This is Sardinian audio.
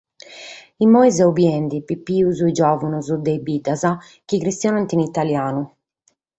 Immoi so bidende pipios o giòvanos de sas biddas chi chistionant in italianu.